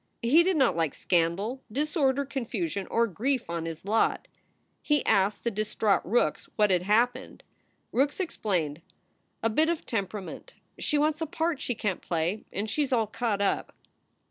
He did not like scandal, disorder, confusion, or grief on his lot. He asked the distraught Rookes what had happened. 216 SOULS FOR SALE Rookes explained: "A bit of temperament. She wants a part she can t play, and she s all cut up."